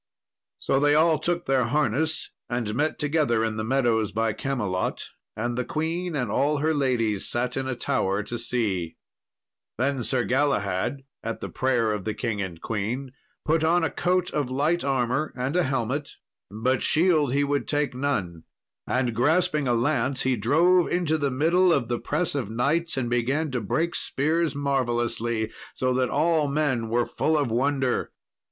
So they all took their harness and met together in the meadows by Camelot, and the queen and all her ladies sat in a tower to see. Then Sir Galahad, at the prayer of the king and queen, put on a coat of light armour, and a helmet, but shield he would take none, and grasping a lance, he drove into the middle of the press of knights, and began to break spears marvellously, so that all men were full of wonder.